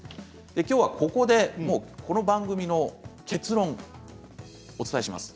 今日はここで、この番組の結論をお伝えします。